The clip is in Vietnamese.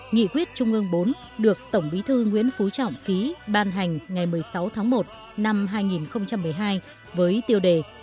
nghị quyết trung ương bốn được tổng bí thư nguyễn phú trọng ký ban hành ngày một mươi sáu tháng một năm hai nghìn một mươi hai với tiêu đề